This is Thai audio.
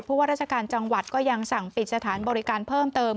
เพราะว่าราชการจังหวัดก็ยังสั่งปิดสถานบริการเพิ่มเติม